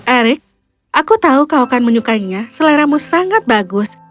eric aku tahu kau akan menyukainya seleramu sangat bagus